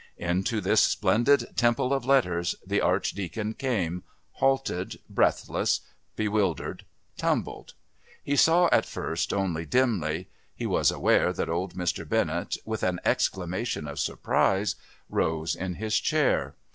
Into this splendid temple of letters the Archdeacon came, halted, breathless, bewildered, tumbled. He saw at first only dimly. He was aware that old Mr. Bennett, with an exclamation of surprise, rose in his chair.